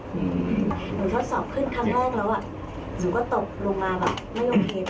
หนูทดสอบขึ้นครั้งแรกแล้วอ่ะหนูก็ตกลงมาแบบไม่โอเค